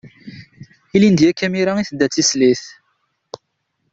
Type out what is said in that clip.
Ilindi akka imira i d-tedda d tislit.